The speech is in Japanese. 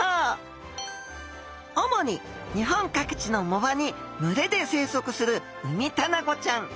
主に日本各地の藻場に群れで生息するウミタナゴちゃん。